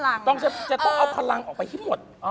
ถ้าต้องใช้จะต้องเอาพลังออกไปที่หมด